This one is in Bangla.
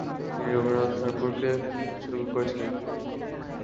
তিনি রবীন্দ্রনাথ ঠাকুরকে উৎসর্গ করেছিলেন।